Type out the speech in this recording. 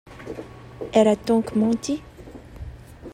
Elle a donc menti?